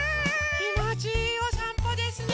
きもちいいおさんぽですね。